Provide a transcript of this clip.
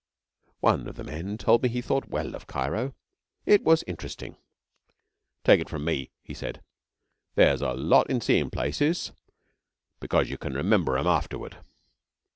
One of the men told me he thought well of Cairo. It was interesting. 'Take it from me,' he said, 'there's a lot in seeing places, because you can remember 'em afterward.'